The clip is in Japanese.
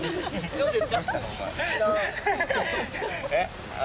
・どうです？